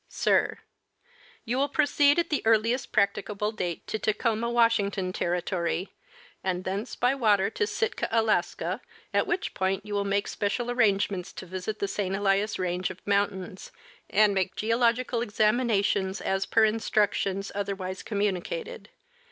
Sir : You will proceed at the earliest practicable date to Tacoma, Wash ington Territory, and thence by water to Sitka, Alaska, at which point you will make special arrangements to visit the St. Elias range of mountains and make geological examinations as per instructions otherwise commu nicated.